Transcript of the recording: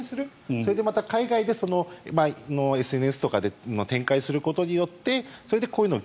それで海外のＳＮＳとかで展開することによってそれでこういうのを。